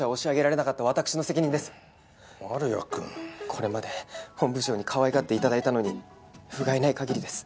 これまで本部長にかわいがって頂いたのにふがいない限りです。